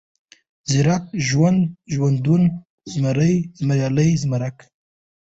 ژړک ، ژوند ، ژوندون ، زمری ، زمريالی ، زمرک